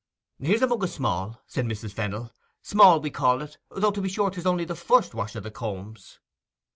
'Here's a mug o' small,' said Mrs. Fennel. 'Small, we call it, though to be sure 'tis only the first wash o' the combs.